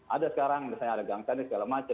ada sekarang misalnya ada gangsa ini segala macam